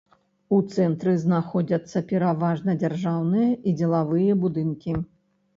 У цэнтры знаходзяцца пераважна дзяржаўныя і дзелавыя будынкі.